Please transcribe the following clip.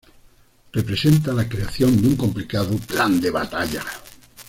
Representa la creación de un complicado plan de batalla.